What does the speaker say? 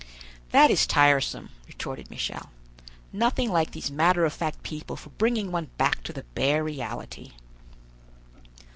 "That is tiresome," retorted Michel; "nothing like these matter of fact people for bringing one back to the bare reality."